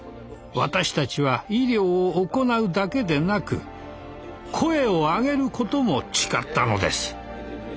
私たちは医療を行うだけでなく「声を上げる」ことも誓ったのです。